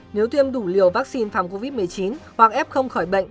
nếu tiêm đủ liều vaccine phòng covid một mươi chín hoặc f không khỏi bệnh